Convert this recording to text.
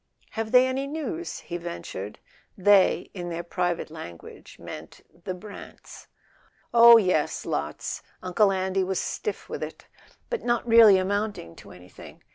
"Have they any news—?" he ventured. "They," in their private language, meant the Brants. "Oh, yes, lots: Uncle Andy was stiff with it. But not really amounting to anything.